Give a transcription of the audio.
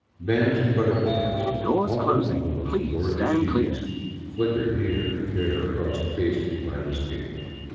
Bands of butterflies, often of the most gorgeous hues, flickered here and there across the face of the landscape.